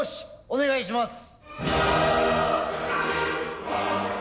お願いします！